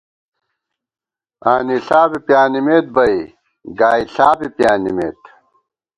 آنِݪا بی پیانِمېت بئ ، گائیݪا بی پیانِمېت